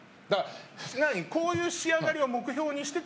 こういう仕上がりを目標にしてた？